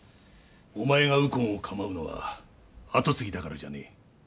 お前が右近をかまうのは跡継ぎだからじゃねえ。